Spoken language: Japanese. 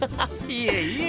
いえいえ。